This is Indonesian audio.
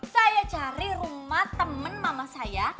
saya cari rumah teman mama saya